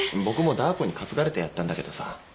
僕もダー子に担がれてやったんだけどさ。